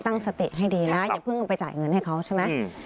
ตั้งสติให้ดีนะอย่าเพิ่งไปจ่ายเงินให้เขาใช่ไหม